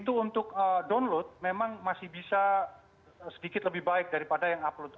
itu untuk download memang masih bisa sedikit lebih baik daripada yang upload